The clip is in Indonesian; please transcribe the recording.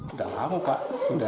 sudah lama pak